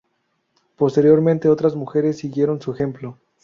Posteriormente, otras mujeres siguieron su ejemplo.